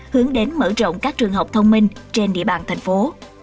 hướng đến mở rộng các trường học thông minh trên địa bàn thành phố